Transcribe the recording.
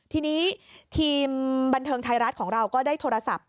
ทีนี้ทีมบันเทิงไทยรัฐของเราก็ได้โทรศัพท์